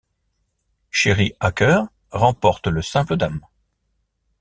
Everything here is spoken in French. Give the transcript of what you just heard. Sherry Acker remporte le simple dames.